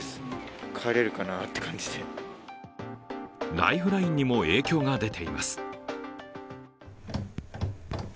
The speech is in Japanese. ライフラインにも影響が出ています。